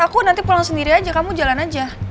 aku nanti pulang sendiri aja kamu jalan aja